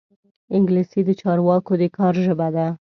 انګلیسي د چارواکو د کار ژبه ده